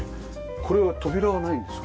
これは扉はないんですか？